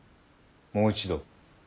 もう一度。